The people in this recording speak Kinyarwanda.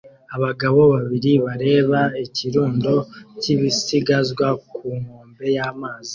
Abagabo babiri bareba ikirundo cy'ibisigazwa ku nkombe y'amazi